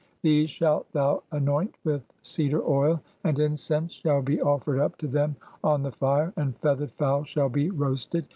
THESE SHALT THOU ANOINT WITH CEDAR OIL, AND (16I INCENSE SHALL HE OFFERED UP TO THEM ON THE FIRE, AND FEATHERED FOWL SHALL HE ROASTED.